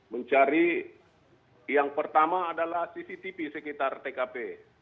mencari yang pertama adalah cctv sekitar tkp